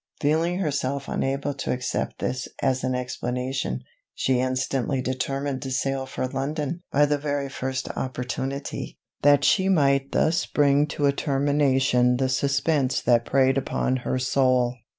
Feeling herself unable to accept this as an explanation, she instantly determined to sail for London by the very first opportunity, that she might thus bring to a termination the suspence that preyed upon her soul.